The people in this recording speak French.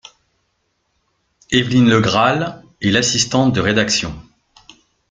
Evelyne Le Grall est l’assistante de rédaction.